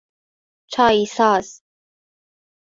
چاییساز